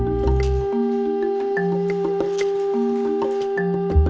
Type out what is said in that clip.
sebuah perangai yang terkandung di setiap helainya